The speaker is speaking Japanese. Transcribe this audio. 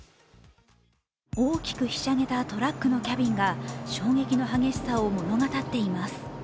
大きくひしゃげたトラックのキャビンが衝撃の激しさを物語っています。